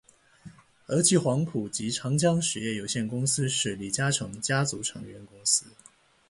和记黄埔及长江实业有限公司是李嘉诚家族成员公司。